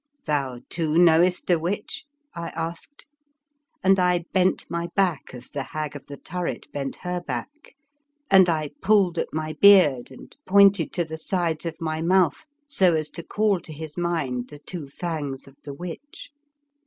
'* Thou too knowest the witch? " I asked, and I bent my back as the Hag of the Turret bent her back, and I 66 The Fearsome Island pulled at my beard and pointed to the sides of my mouth so as to call to his mind the two fangs of the witch.